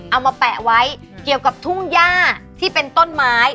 มาแปะไว้เกี่ยวกับทุ่งย่าที่เป็นต้นไม้